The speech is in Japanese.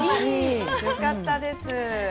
よかったです。